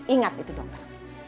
ingat itu dokter